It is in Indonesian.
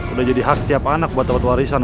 udah jadi hak setiap anak buat dapat warisan